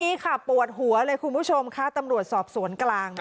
นี่ค่ะปวดหัวเลยคุณผู้ชมค่ะตำรวจสอบสวนกลาง